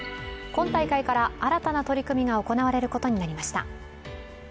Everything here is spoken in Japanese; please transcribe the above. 今大会から新たな取り組みが行われることになりました。